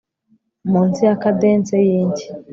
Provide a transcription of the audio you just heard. Munsi ya cadence yinshyi